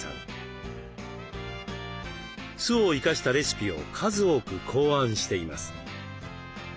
酢を生かしたレシピを数多く考案しています。